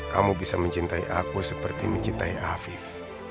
kamu bisa mencintai aku seperti mencintai afif